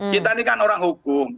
kita ini kan orang hukum